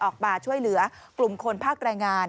ออกมาช่วยเหลือกลุ่มคนภาคแรงงาน